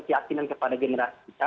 kehasilan kepada generasi kita